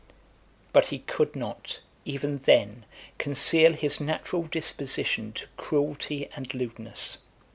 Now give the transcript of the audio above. XI. But he could not even then conceal his natural disposition to cruelty and lewdness.